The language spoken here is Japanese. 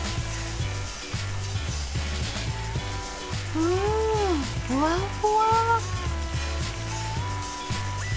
うんふわっふわ。